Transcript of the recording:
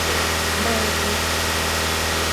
— Греки.